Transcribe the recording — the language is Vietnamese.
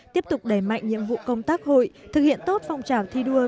tiếp tục đẩy mạnh nhiệm vụ công tác hội thực hiện tốt phong trào thi đua